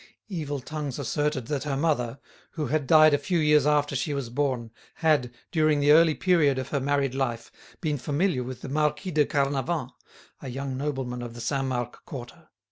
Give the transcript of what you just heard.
Evil tongues asserted that her mother, who had died a few years after she was born, had, during the early period of her married life, been familiar with the Marquis de Carnavant, a young nobleman of the Saint Marc quarter.